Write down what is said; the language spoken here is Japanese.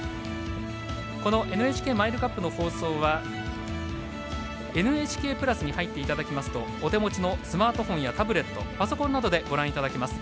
このＮＨＫマイルカップの放送は「ＮＨＫプラス」に入っていただきますとお手持ちのスマートフォンやタブレット、パソコンなどでご覧いただけます。